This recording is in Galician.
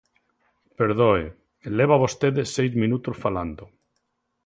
Perdoe, leva vostede seis minutos falando.